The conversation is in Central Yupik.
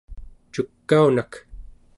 cukaunak!